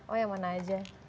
oh yang mana aja